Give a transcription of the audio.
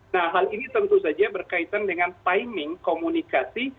nah hal ini tentu saja berkaitan dengan timing komunikasi